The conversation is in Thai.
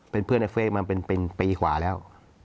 เป็นเพื่อนในเฟสมาเป็นปีกว่าแล้ว